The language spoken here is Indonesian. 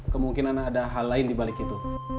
kemungkinan ada hal lain di balik itu